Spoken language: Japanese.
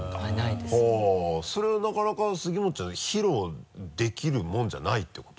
それはなかなか杉本ちゃん披露できるもんじゃないってこと？